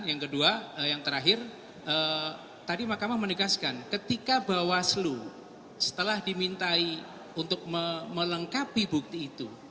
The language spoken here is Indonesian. yang kedua yang terakhir tadi mahkamah menegaskan ketika bawaslu setelah dimintai untuk melengkapi bukti itu